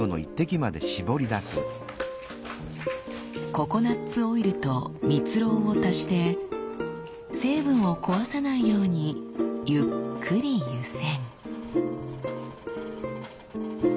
ココナツオイルと蜜ろうを足して成分を壊さないようにゆっくり湯煎。